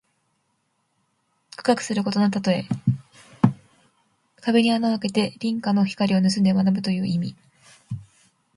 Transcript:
苦学することのたとえ。壁に穴をあけて隣家の光をぬすんで学ぶという意味。